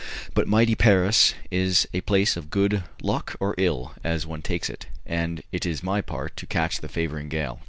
But mighty Paris is a place of good luck or ill, as one takes it, and it was my part to catch the favouring gale.